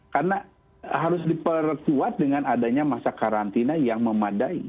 karena harus diperkuat dengan adanya masa karantina yang memadai